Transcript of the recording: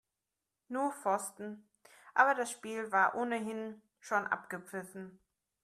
Nur Pfosten, aber das Spiel war ohnehin schon abgepfiffen.